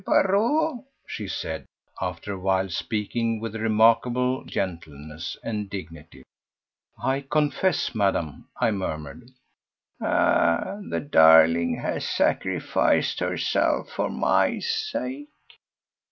Barrot," she said after a while speaking with remarkable gentleness and dignity. "I confess, Madame—" I murmured. "Ah! the darling has sacrificed herself for my sake.